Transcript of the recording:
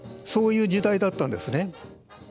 そういう時代だったんですね。